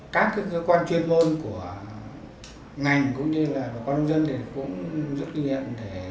các cơ quan chuyên môn của ngành cũng như là bà con nông dân thì cũng rất kinh nghiệm